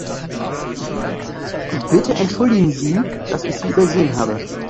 Bitte entschuldigen Sie, dass ich Sie übersehen habe.